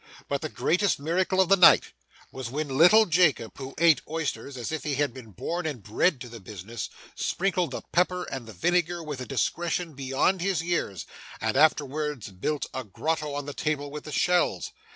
But the greatest miracle of the night was little Jacob, who ate oysters as if he had been born and bred to the business sprinkled the pepper and the vinegar with a discretion beyond his years and afterwards built a grotto on the table with the shells.